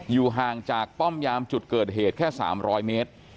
อยู่ห่างจากป้อมยามจุดเกิดเหตุแค่๓๐๐เมตร